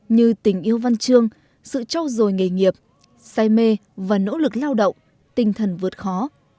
như tình yêu văn trương sự trâu dồi nghề nghiệp sai mê và nỗ lực lao động tinh thần vượt khó